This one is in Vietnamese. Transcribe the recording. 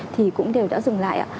thì cũng đều đã dừng lại ạ